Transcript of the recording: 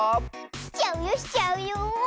しちゃうよしちゃうよ！